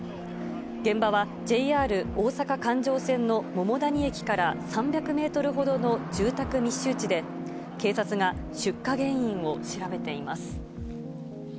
現場は、ＪＲ大阪環状線の桃谷駅から３００メートルほどの住宅密集地で、警察が出火原因を調べています。